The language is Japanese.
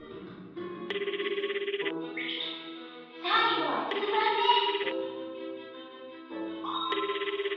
さい後はツバメ。